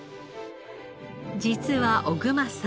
実は小熊さん